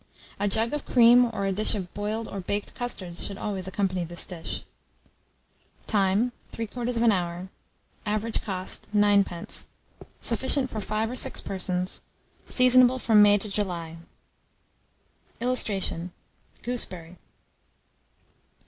A jug of cream, or a dish of boiled or baked custards, should always accompany this dish. Time. 3/4 hour. Average cost, 9d. Sufficient for 5 or 6 persons. Seasonable from May to July. [Illustration: GOOSEBERRY.